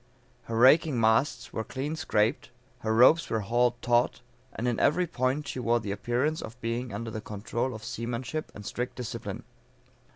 Her raking masts were clean scraped, her ropes were hauled taught, and in every point she wore the appearance of being under the control of seamanship and strict discipline.